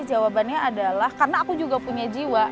jawabannya adalah karena aku juga punya jiwa